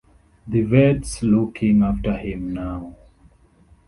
The vet’s looking after him now.